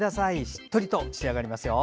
しっとりと仕上がりますよ。